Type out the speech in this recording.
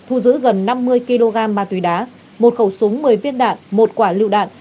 thu giữ gần năm mươi kg ma túy đá một khẩu súng một mươi viên đạn một quả lựu đạn